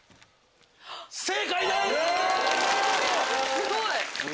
⁉すごい！